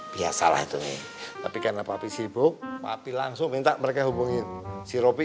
biasalah itu nih tapi karena papi sibuk papi langsung minta mereka hubungi si ropi